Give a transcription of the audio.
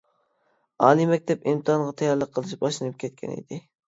ئالىي مەكتەپ ئىمتىھانىغا تەييارلىق قىلىش باشلىنىپ كەتكەن ئىدى.